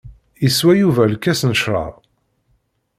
Yeswa Yuba lkas n ccrab.